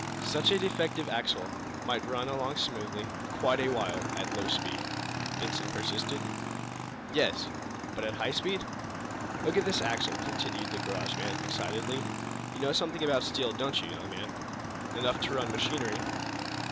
"Such a defective axle might run along smoothly, quite a while at low speed?" Benson persisted. "Yes." "But at high speed ?" "Look at this axle!" continued the garage man, excitedly. "You know something about steel, don't you, young man?" "Enough to run machinery."